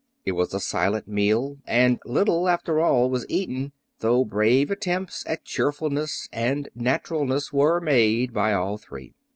It was a silent meal, and little, after all, was eaten, though brave attempts at cheerfulness and naturalness were made by all three.